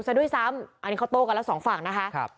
แสด้วยซ้ำอันนี้เค้าโตก่อนแล้วสองฝั่งนะคะครับ